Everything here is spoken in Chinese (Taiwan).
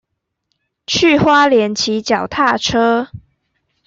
去花蓮騎腳踏車